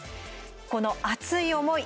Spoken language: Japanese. この熱い思い